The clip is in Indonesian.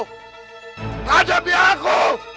tidak ada biar aku